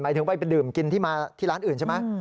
ถึงไปดื่มกินที่มาที่ร้านอื่นใช่ไหม